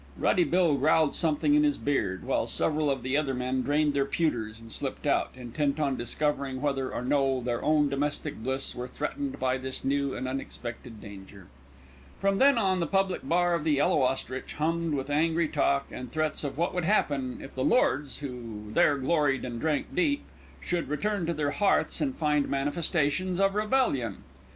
Ruddy Bill growled something in his beard, while several of the other men drained their pewters and slipped out, intent on discovering whether or no their own domestic bliss were threatened by this new and unexpected danger. From then on, the public bar of The Yellow Ostrich hummed with angry talk and threats of what would happen if the lords, who there gloried and drank deep, should return to their hearths and find manifestations of rebellion.